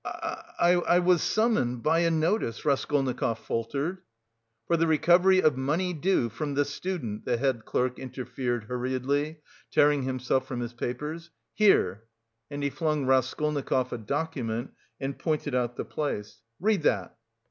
"I was summoned... by a notice..." Raskolnikov faltered. "For the recovery of money due, from the student," the head clerk interfered hurriedly, tearing himself from his papers. "Here!" and he flung Raskolnikov a document and pointed out the place. "Read that!"